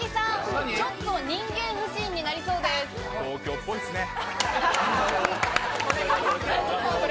東京っぽいっすね。